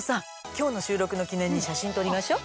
今日の収録の記念に写真撮りましょ！